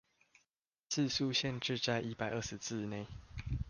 字數限制在一百二十字以內